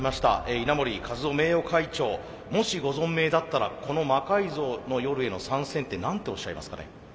稲盛和夫名誉会長もしご存命だったらこの「魔改造の夜」への参戦って何ておっしゃいますかね。